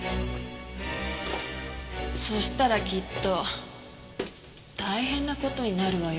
そしたらきっと大変な事になるわよねえ？